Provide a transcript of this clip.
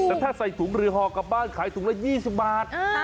แต่ถ้าใส่ถุงหรือห่อกลับบ้านขายถุงละ๒๐บาท